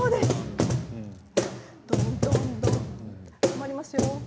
止まりますよ